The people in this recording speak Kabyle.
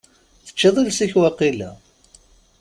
Teĉĉiḍ iles-ik waqila?